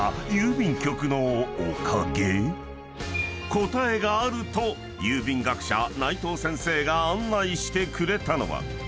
［答えがあると郵便学者内藤先生が案内してくれたのは］